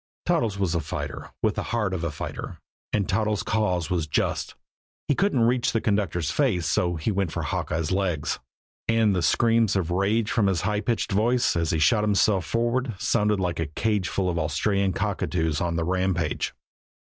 Toddles was a fighter with the heart of a fighter. And Toddles' cause was just. He couldn't reach the conductor's face so he went for Hawkeye's legs. And the screams of rage from his high pitched voice, as he shot himself forward, sounded like a cageful of Australian cockatoos on the rampage.